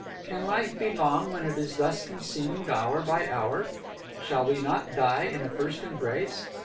"Can life be long when it is thus consumed hour by hour? Shall we not die in a first embrace?